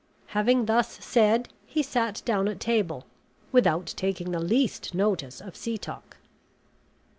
Having thus said, he sat down at table, without taking the least notice of Setoc.